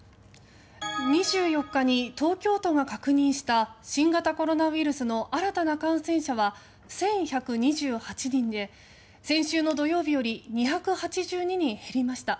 ２４日に東京都が確認した新型コロナウイルスの新たな感染者は１１２８人で先週の土曜日より２８２人減りました。